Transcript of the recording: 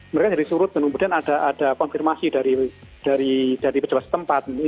mereka jadi surut dan kemudian ada konfirmasi dari pejabat setempat